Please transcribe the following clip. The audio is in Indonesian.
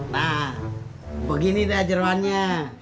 nah begini dah jeruannya